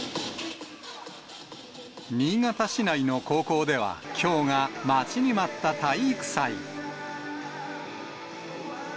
新潟市内の高校では、きょうが待ちに待った体育祭。